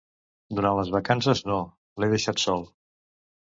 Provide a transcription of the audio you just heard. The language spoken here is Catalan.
Durant les vacances no, l'he deixat sol.